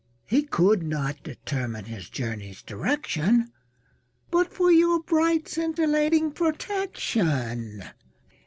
He could not determine his journey's direction But for your bright scintillating protection.